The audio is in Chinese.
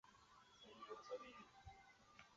攀鲈亚目为辐鳍鱼纲攀鲈目的其中一个亚目。